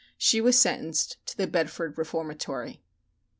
She was sentenced to the Bedford Reformatory.